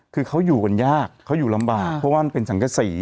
คือเขาอยู่กันยากเขาอยู่ลำบากเพราะว่ามันเป็นสังกษี